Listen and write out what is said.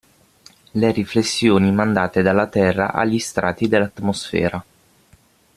Le riflessioni mandate dalla Terra agli strati dell'atmosfera.